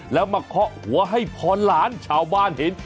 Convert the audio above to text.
แล้วมาเคาะหัวให้พรหลานชาวบ้านเห็น